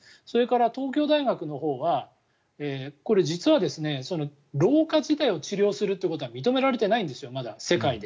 それから、東京大学のほうは実は老化自体を治療するということは認められてないんですよね。